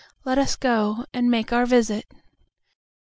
Let us go and make our visit.